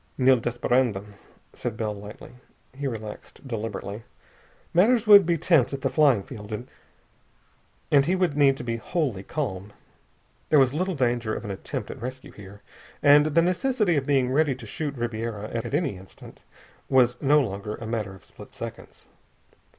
"Nil desperandum," said Bell lightly. He relaxed deliberately. Matters would be tense at the flying field, and he would need to be wholly calm. There was little danger of an attempt at rescue here, and the necessity of being ready to shoot Ribiera at any instant was no longer a matter of split seconds.